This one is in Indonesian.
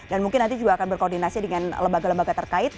dan mungkin nanti juga akan berkoordinasi dengan lembaga lembaga terkait